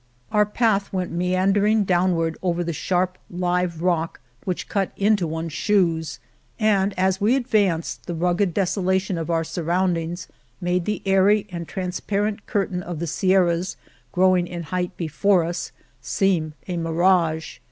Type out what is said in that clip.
Our path went meandering downward over the sharp, live rock which cut into one's shoes, and as we advanced the rugged deso lation of our surroundings made the airy and transparent curtain of the Sierras, growing in height before us, seem a mirage.